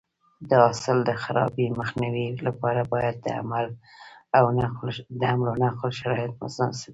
د حاصل د خرابي مخنیوي لپاره باید د حمل او نقل شرایط مناسب وي.